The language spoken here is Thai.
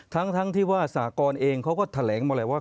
ทั้งที่ว่าสากรเองเขาก็แถลงมาแหละว่า